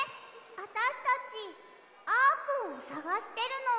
あたしたちあーぷんをさがしてるの。